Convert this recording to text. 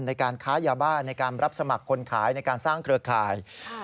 ในการค้ายาบ้าในการรับสมัครคนขายในการสร้างเครือข่าย